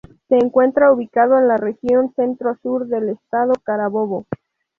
Se encuentra ubicado en la "Región Centro-Sur" del Estado Carabobo.